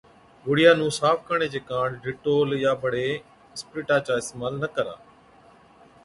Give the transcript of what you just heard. گوڙهِيان نُون صاف ڪرڻي چي ڪاڻ ڊيٽول يان بڙي اِسپرِيٽا چا اِستعمال نہ ڪرا